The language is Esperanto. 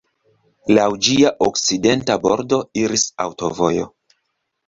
Laŭ ĝia okcidenta bordo iris aŭtovojo.